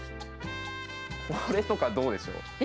これとかどうでしょう。